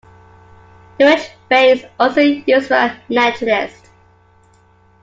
Druridge Bay is also used by naturists.